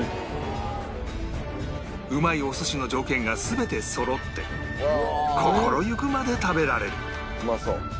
うまいお寿司の条件が全てそろって心ゆくまで食べられる